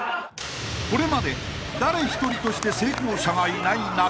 ［これまで誰一人として成功者がいない中］